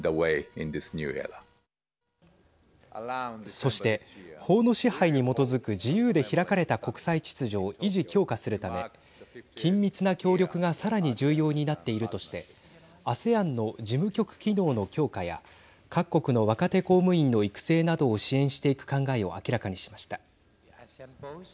そして、法の支配に基づく自由で開かれた国際秩序を維持・強化するため緊密な協力がさらに重要になっているとしてＡＳＥＡＮの事務局機能の強化や各国の若手公務員の育成などを支援していく考えを明らかにしました。